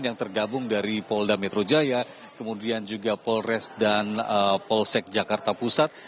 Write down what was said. yang tergabung dari polda metro jaya kemudian juga polres dan polsek jakarta pusat